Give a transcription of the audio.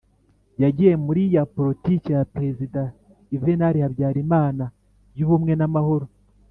yagiye muri ya politike ya Prezida Yuvenali Habyarimana y'Ubumwe n'Amahoro,